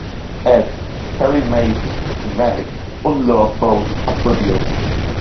Ed", "Perry Mason", "Mannix" und "Love Boat" absolviert.